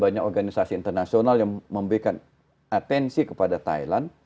dan banyak organisasi internasional yang memberikan atensi kepada thailand